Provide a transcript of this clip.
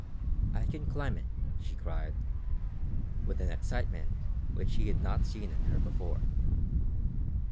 "I can climb it," she cried, with an excitement which he had not seen in her before.